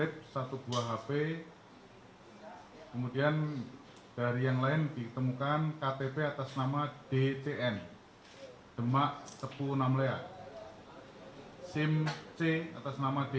petugas melakukan pengejaran lanjut dan menangkap kembali seorang atas nama g